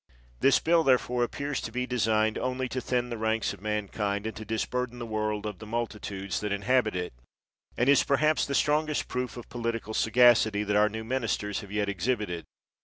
This bill, therefore, appears to be designed only to thin the ranks of mankind, and to dis burden the world of the multitudes that in habit it; and is perhaps the strongest proof of political sagacity that our new ministers have yet exhibited.